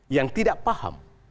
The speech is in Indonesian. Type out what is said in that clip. yang tidak paham